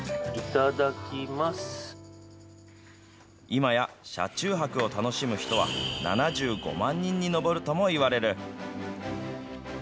今や車中泊を楽しむ人は７５万人に上るともいわれる。